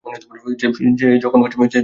যে যখন খুশি এসে পড়লি?